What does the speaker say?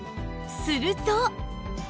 すると